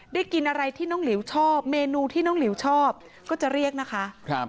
กินอะไรที่น้องหลิวชอบเมนูที่น้องหลิวชอบก็จะเรียกนะคะ